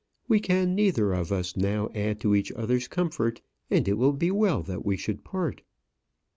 We can neither of us now add to each other's comfort, and it will be well that we should part."